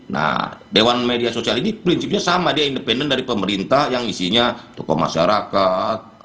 nah dewan media sosial ini prinsipnya sama dia independen dari pemerintah yang isinya tokoh masyarakat